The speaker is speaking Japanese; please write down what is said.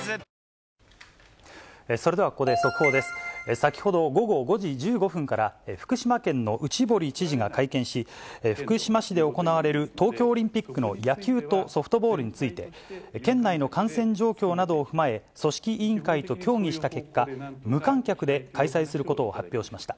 先ほど午後５時１５分から、福島県の内堀知事が会見し、福島市で行われる、東京オリンピックの野球とソフトボールについて、県内の感染状況などを踏まえ、組織委員会と協議した結果、無観客で開催することを発表しました。